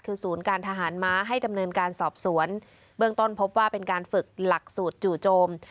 คือศูนย์การทหารม้าให้ดำเนินการสอบสวนเบื้องต้นพบว่าเป็นการฝึกหลักสูตรจู่โจม